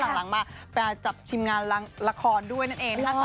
หลังมาไปจับชิมงานละครด้วยนั่นเองนะคะ